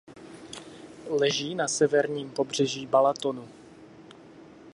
Leží na severním pobřeží Balatonu.